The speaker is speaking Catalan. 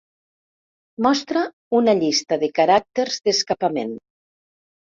Mostra una llista de caràcters d'escapament.